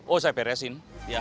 oh saya beresin